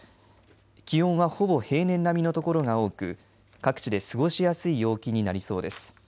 気温はほぼ平年並みの所が多く各地で過ごしやすい陽気になりそうです。